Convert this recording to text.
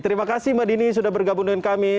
terima kasih mbak dini sudah bergabung dengan kami